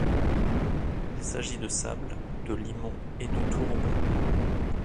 Il s'agit de sable, de limon et de tourbe.